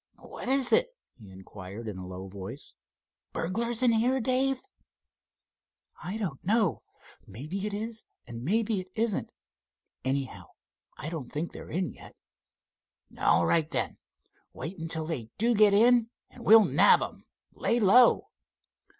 "What is it?" he inquired in a low voice. "Burglars in here, Dave?" "I don't know. Maybe it is and maybe it isn't. Anyhow, I don't think they're in yet." "All right, then; wait until they do get in an' we'll nab 'em. Lay low!"